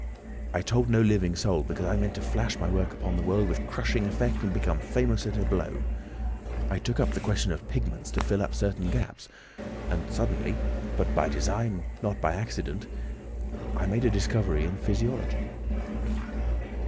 I told no living soul, because I meant to flash my work upon the world with crushing effect and become famous at a blow. I took up the question of pigments to fill up certain gaps. And suddenly, not by design but by accident, I made a discovery in physiology."